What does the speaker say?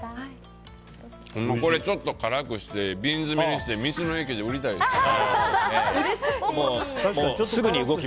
ちょっと辛くして瓶詰めにして道の駅で売りたいですね。